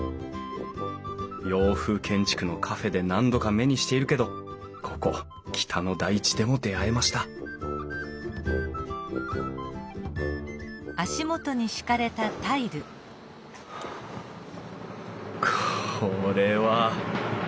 洋風建築のカフェで何度か目にしているけどここ北の大地でも出会えましたこれは！